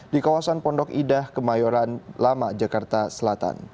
di kawasan pondok indah kemayoran lama jakarta selatan